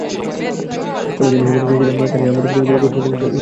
এবার তিনি সেখানে গিয়েছিলেন তানিয়া আহমেদ পরিচালিত গুডমর্নিং লন্ডন ছবির শুটিং করতে।